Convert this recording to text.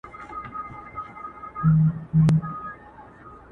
او شریفو ولسونو پسې تړل